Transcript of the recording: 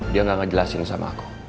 dia gak ngejelasin sama aku